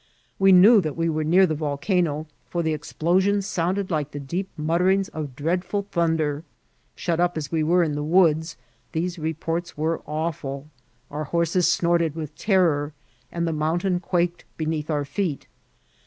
We knew that we were near the volcano, for the explosions sound* ed like the deep mutterings of dreadful thunder. Shut up as we were in the woods, these reports were awfuL Our horses snorted with terror, and the mountain quaked beneath our feet.